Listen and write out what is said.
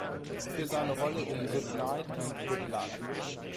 Für seine Rolle in "Good Night, and Good Luck.